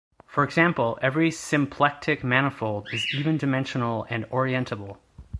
For example, every symplectic manifold is even-dimensional and orientable.